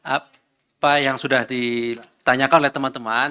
apa yang sudah ditanyakan oleh teman teman